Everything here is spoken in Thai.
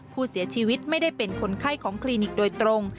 ผู้เสียชีวิตไม่ได้เป็นคนไข้ของคลินิกโดยตรง